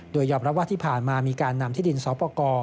โดยยอมรับว่าที่ผ่านมามีการนำที่ดินสอปกร